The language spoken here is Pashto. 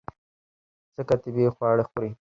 ځکه طبیعي خواړه خوري.